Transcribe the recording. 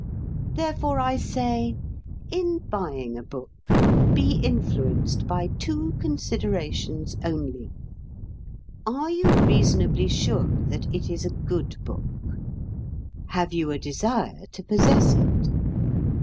_" Therefore I say: In buying a book, be influenced by two considerations only. Are you reasonably sure that it is a good book? Have you a desire to possess it?